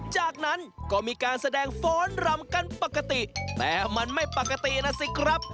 จากนั้นก็มีการแสดงฟ้อนรำกันปกติแต่มันไม่ปกตินะสิครับ